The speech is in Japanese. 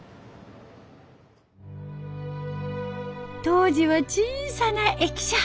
当時は小さな駅舎。